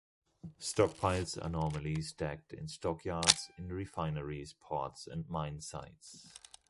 Stockpiles are normally stacked in stockyards in refineries, ports and mine sites.